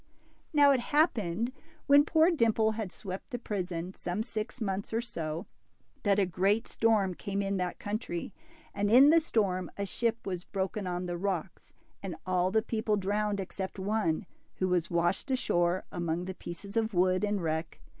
'' Now it happened, when poor t)imple had swept the prison some six months or so, that a great storm came in that country, and in the storm a ship was broken on the rocks, and all the people drowned except one, who was washed ashore among the pieces of wood and wreck.